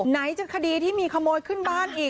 ไหนจะคดีที่มีขโมยขึ้นบ้านอีก